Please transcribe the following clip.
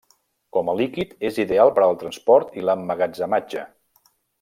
Com a líquid, és ideal per al transport i l'emmagatzematge.